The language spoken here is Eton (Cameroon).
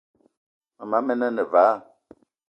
Mema men ane vala,